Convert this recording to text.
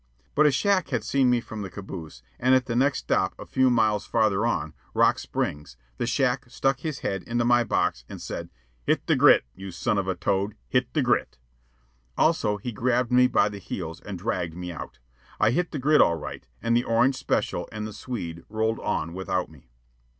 But a shack had seen me from the caboose, and at the next stop a few miles farther on, Rock Springs, the shack stuck his head into my box and said: "Hit the grit, you son of a toad! Hit the grit!" Also he grabbed me by the heels and dragged me out. I hit the grit all right, and the orange special and the Swede rolled on without me.